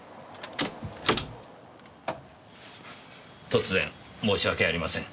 突然申し訳ありません。